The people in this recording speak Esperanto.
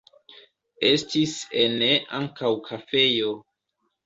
Estis ene ankaŭ kafejo.